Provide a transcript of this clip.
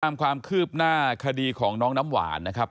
ความคืบหน้าคดีของน้องน้ำหวานนะครับ